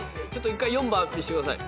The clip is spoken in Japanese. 一回４番見してください。